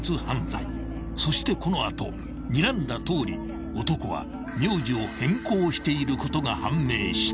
［そしてこの後にらんだとおり男は名字を変更していることが判明した］